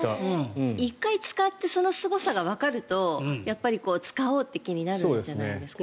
１回使ってそのすごさがわかるとやっぱり使おうって気になるんじゃないですか。